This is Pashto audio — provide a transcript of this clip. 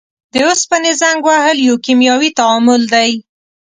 د اوسپنې زنګ وهل یو کیمیاوي تعامل دی.